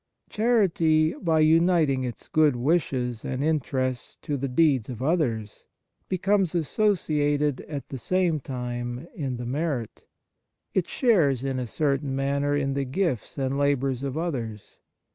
Chanty, by uniting its good wishes and interest to the deeds of others, becomes associated at the same time in the merit. It shares in a certain manner in the gifts and labours of others.